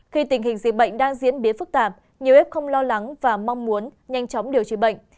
khi tình hình diễn bệnh đang diễn biến phức tạp nhiều f lo lắng và mong muốn nhanh chóng điều trị bệnh